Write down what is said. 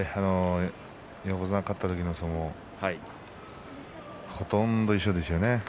横綱に勝った時の相撲ほとんど一緒ですね。